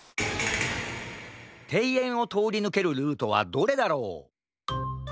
ていえんをとおりぬけるルートはどれだろう？